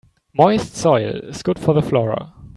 Moist soil is good for the flora.